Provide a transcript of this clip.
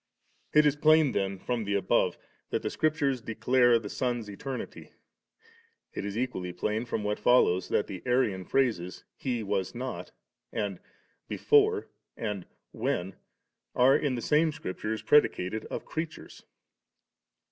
It is plain then from the above that the Scriptures declare the Son's eternity; it is equally plain from what follows that the Arian phrases *He was not,' and 'before ' and *when,* are in the same Scriptures predicated of crea tures.